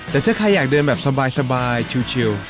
แต่ถ้าใครอยากเดินแบบสบายชิว